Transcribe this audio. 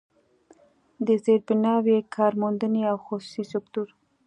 د زيربناوو، کارموندنې او خصوصي سکتور